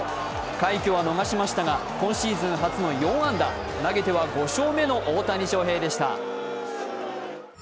快挙は逃しましたが、今シーズン初の４安打、投げては５勝目の大谷翔平でした。